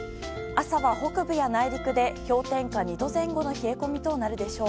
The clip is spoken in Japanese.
朝は、北部や内陸で氷点下２度前後の冷え込みとなるでしょう。